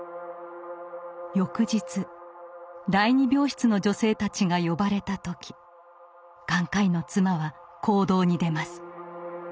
翌日第２病室の女性たちが呼ばれた時眼科医の妻は行動に出ます。